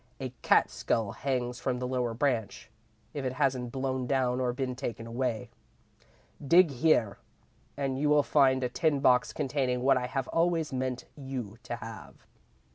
A cat's skull hangs from the lower branch, if it hasn't blown down or been taken away. Dig here and you will find a tin box containing what I have always meant you to have.